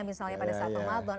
misalnya pada saat ramadan